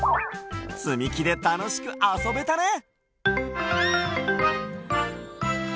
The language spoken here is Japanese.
つみきでたのしくあそべたね！